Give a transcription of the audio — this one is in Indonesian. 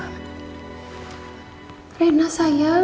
kondisi yang gimana sekarang